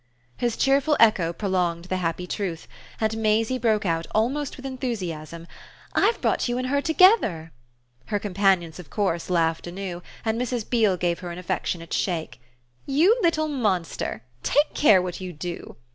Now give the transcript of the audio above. His cheerful echo prolonged the happy truth, and Maisie broke out almost with enthusiasm: "I've brought you and her together!" Her companions of course laughed anew and Mrs. Beale gave her an affectionate shake. "You little monster take care what you do!